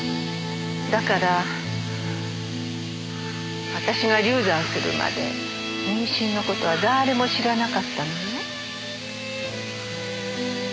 だから私が流産するまで妊娠の事は誰も知らなかったのよ。